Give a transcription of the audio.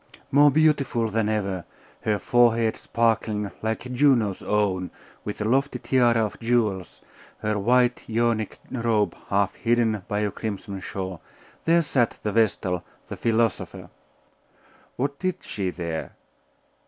More beautiful than ever, her forehead sparkling, like Juno's own, with a lofty tiara of jewels, her white Ionic robe half hidden by a crimson shawl, there sat the vestal, the philosopher. What did she there?